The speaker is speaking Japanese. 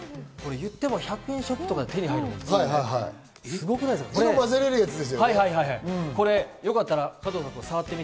言っても１００円ショップで手に入るんですよね。